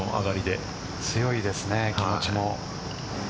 強いですね、気持ちも。